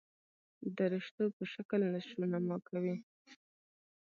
درشتو په شکل نشونما کوي.